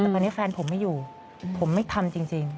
แต่ตอนนี้แฟนผมไม่อยู่ผมไม่ทำจริง